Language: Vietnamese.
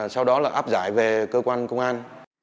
sau đó là áp giải về cơ quan công an